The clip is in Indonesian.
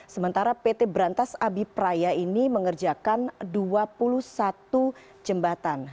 sementara pt berantas abipraya ini mengerjakan dua puluh satu jembatan